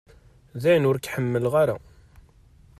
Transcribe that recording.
Dayen ur k-ḥemmleɣ ara.